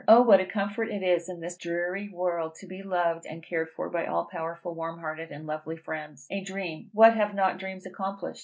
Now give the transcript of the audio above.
O what a comfort it is, in this dreary world, to be loved and cared for by all powerful, warm hearted, and lovely friends! A Dream! What have not dreams accomplished?